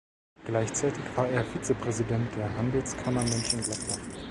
Gleichzeitig war er Vizepräsident der Handelskammer Mönchengladbach.